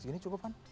segini cukup kan